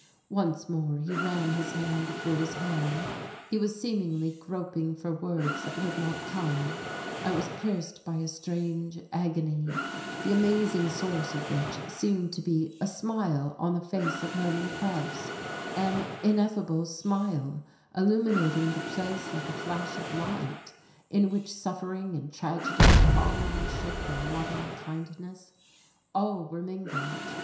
Once more he ran his hand through his hair, he was seemingly groping for words that would not come. I was pierced by a strange agony the amazing source of which, seemed to be a smile on the face of Hermann Krebs, an ineffable smile illuminating the place like a flash of light, in which suffering and tragedy, comradeship and loving kindness all were mingled.